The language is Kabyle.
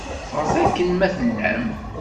Ffɣet akken ma tellam.